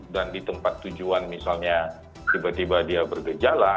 dan di tempat tujuan misalnya tiba tiba dia bergejala